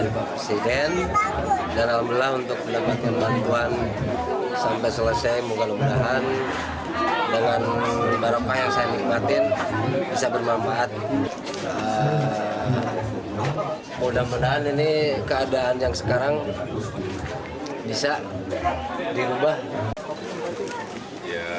pemasangan listrik gratis di kelurahan bantarjati kota bogor jawa barat